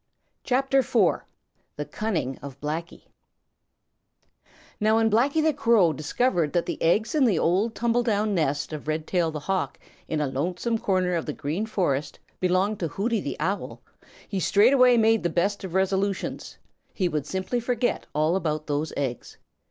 CHAPTER IV: The Cunning Of Blacky Now when Blacky the Crow discovered that the eggs in the old tumble down nest of Redtail the Hawk in a lonesome corner of the Green Forest belonged to Hooty the Owl, he straightway made the best of resolutions; he would simply forget all about those eggs.